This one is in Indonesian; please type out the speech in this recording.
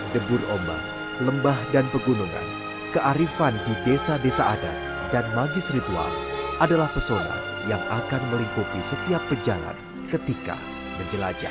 debur ombak lembah dan pegunungan kearifan di desa desa adat dan magis ritual adalah pesona yang akan melingkupi setiap pejalan ketika menjelajah